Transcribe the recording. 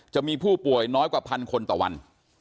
จะมีผู้ป่วยน้อยกว่าพันคนต่อวัน